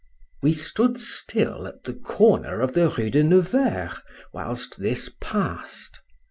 We stood still at the corner of the Rue de Nevers whilst this pass'd.